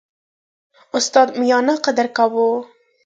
استاد میانه قده وو.